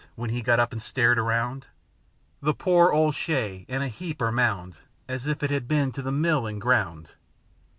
When he got up and stared around! The poor old chaise in a heap or mound, As if it had been to the mill and ground!